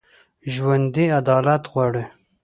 ژوندي عدالت غواړي